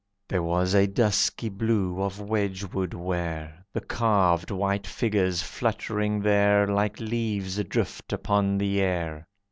There was dusky blue of Wedgewood ware, The carved, white figures fluttering there Like leaves adrift upon the air.